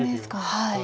はい。